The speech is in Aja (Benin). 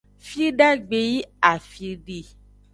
Fidagbe yi afi di.